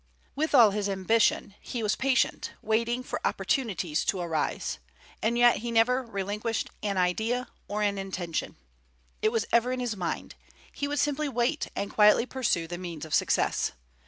With all his ambition, he was patient, waiting for opportunities to arise; and yet he never relinquished an idea or an intention, it was ever in his mind: he would simply wait, and quietly pursue the means of success.